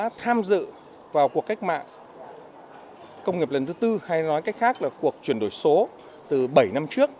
chúng ta tham dự vào cuộc cách mạng công nghiệp lần thứ tư hay nói cách khác là cuộc chuyển đổi số từ bảy năm trước